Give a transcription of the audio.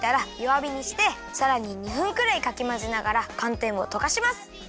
わびにしてさらに２分くらいかきまぜながらかんてんをとかします。